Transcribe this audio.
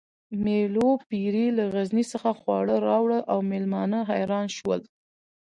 مېلو پېري له غزني څخه خواړه راوړل او مېلمانه حیران شول